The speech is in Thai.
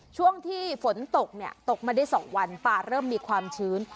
ช่วงที่ฝนตกเนี่ยตกมาได้๒วันป่าเริ่มมีความชื้น